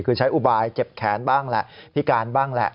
คือใช้อุบายเจ็บแขนบ้างแหละพิการบ้างแหละ